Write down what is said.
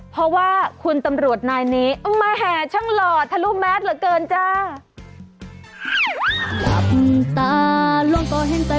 เพราะว่าคุณตำรวจนายนี้มาแห่ช่างหล่อทะลุแมสเหลือเกินจ้า